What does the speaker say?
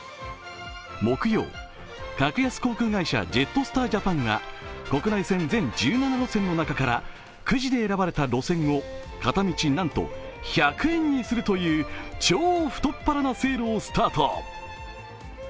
木曜、格安航空会社ジェットスター・ジャパンが、国内線全１７路線の中からくじで選ばれた路線を片道、なんと１００円にするという超太っ腹なセールをスタート。